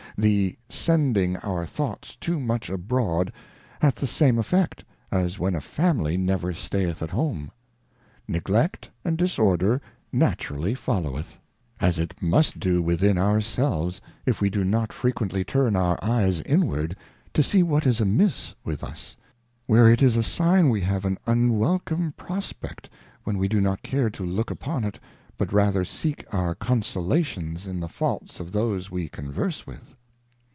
The sending our Thoughts too much abroad, hath the same Effect, as when a Family never stayeth at home ; Neglect and Disorder naturally followeth ; as it must do within our selves, if we do not fre quently turn our Eyes inwards, to see what is amiss with us, where it is a sign we have an unwelcome Prospect, when we do not care to look upon it, but rather seek our Consolations in the Faults of those we converse with.